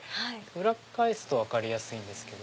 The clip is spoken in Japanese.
裏返すと分かりやすいんですけど。